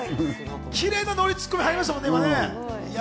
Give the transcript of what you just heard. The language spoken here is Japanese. キレイなノリツッコミ入りましたもんね。